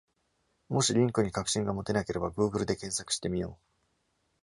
もしリンクに確信が持てなければ、グーグルで検索してみよう。